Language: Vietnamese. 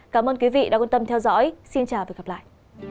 cảm ơn quý vị đã quan tâm theo dõi xin chào và hẹn gặp lại